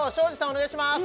お願いします